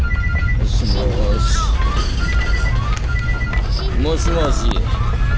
もしもし？もしもし？